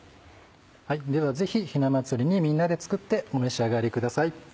ぜひひな祭りにみんなで作ってお召し上がりください。